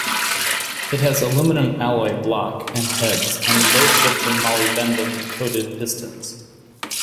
It has aluminum-alloy block and heads and low-friction molybdenum-coated pistons.